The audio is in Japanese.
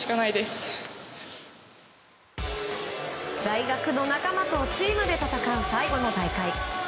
大学の仲間とチームで戦う最後の大会。